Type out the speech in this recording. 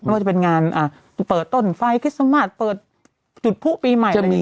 ว่าจะเป็นงานเปิดต้นไฟล์คิสสมัติเปิดจุดผู้ปีใหม่อะไรอย่างนี้